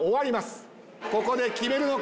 ここで決めるのか。